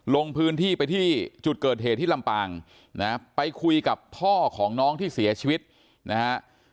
ลงพื้นที่ไปที่จุดเกิดเหตุที่ลำปางนะฮะไปคุยกับพ่อของน้องที่เสียชีวิตนะฮะ